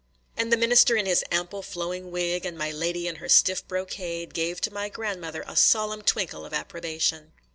– and the minister in his ample flowing wig, and my lady in her stiff brocade, gave to my grandmother a solemn twinkle of approbation.